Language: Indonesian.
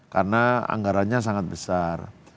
karena anggarannya sangat besar